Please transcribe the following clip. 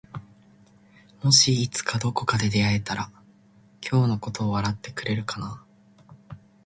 もしいつかどこかで会えたら今日のことを笑ってくれるかな？